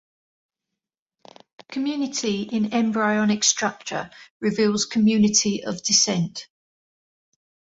Community in embryonic structure reveals community of descent.